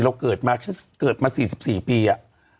เราเกิดมาเกิดมาสี่สิบสี่ปีอะ